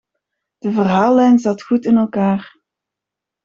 De verhaallijn zat goed in elkaar.